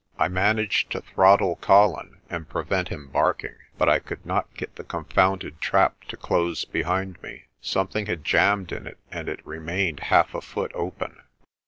I managed to throttle Colin and prevent him barking, but I could not get the confounded trap to close behind me. Something had jammed in it and it remained half a foot open.